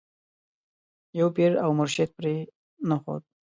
یو پیر او مرشد پرې نه ښود.